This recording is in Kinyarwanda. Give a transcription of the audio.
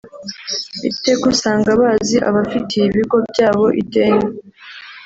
Iteka usanga bazi abafitiye ibigo byabo ideni